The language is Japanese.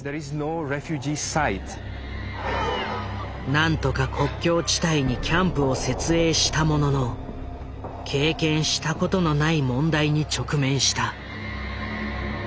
何とか国境地帯にキャンプを設営したものの経験したことのない問題に直面した。